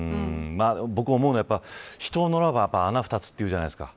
僕が思うのは人を呪わば穴二つというじゃないですか。